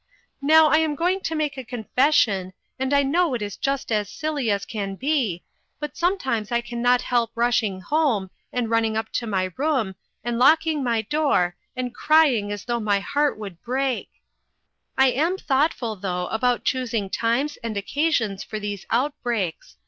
" Now I am going to make a confession, and I know it is just as silly as it can be, but sometimes I can not help rushing home, and running up to my room, and locking my door, and crying as though my heart would break. 43 INTERRUPTED. " I am thoughtful, though, about choosing times and occasions for these outbreaks.